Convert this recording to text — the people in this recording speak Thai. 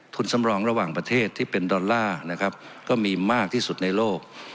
สำรองระหว่างประเทศที่เป็นดอลลาร์นะครับก็มีมากที่สุดในโลก